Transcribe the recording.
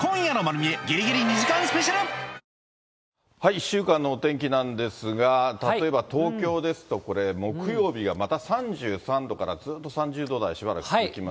１週間のお天気なんですが、例えば東京ですと、これ、木曜日がまた３３度から、ずーっと３０度台、しばらく続きます。